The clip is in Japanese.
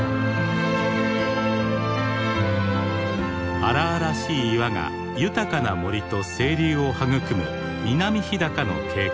荒々しい岩が豊かな森と清流を育む南日高の渓谷。